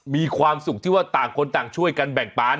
มีความสุขที่ว่าต่างคนต่างช่วยกันแบ่งปัน